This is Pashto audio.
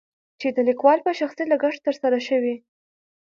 چې دليکوال په شخصي لګښت تر سره شوي.